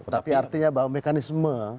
tapi artinya bahwa mekanisme